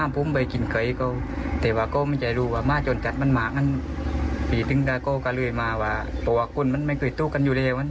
เพราะว่าคุณไม่ค่อยรู้กันอยู่เร็วนะ